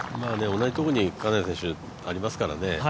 同じところに金谷選手ありますからね